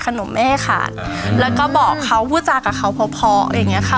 ขนมไม่ให้ขาดแล้วก็บอกเขาพูดจากกับเขาพออย่างเงี้ยค่ะ